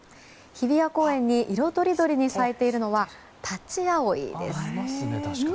日比谷公園に、色とりどりに咲いているのはタチアオイです。